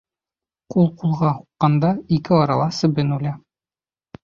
Ҡул ҡулға һуҡҡанда, ике арала себен үлә.